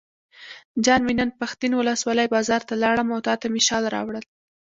جان مې نن پښتین ولسوالۍ بازار ته لاړم او تاته مې شال راوړل.